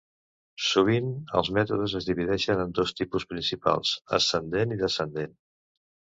Sovint els mètodes es divideixen en dos tipus principals: "Ascendent" i "Descendent".